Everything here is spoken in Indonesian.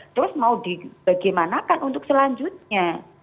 terus mau dibagimanakan untuk selanjutnya